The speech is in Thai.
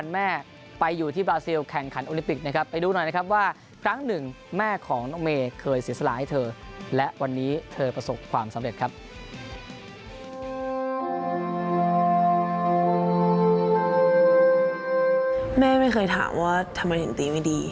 แม่ไม่เคยถามว่าทำไมถึงตีไม่ดี